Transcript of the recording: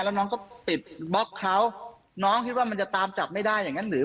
แล้วน้องก็ปิดบล็อกเขาน้องคิดว่ามันจะตามจับไม่ได้อย่างงั้นหรือ